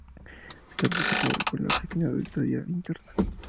Está conformado por la Oficina de Auditoría Interna.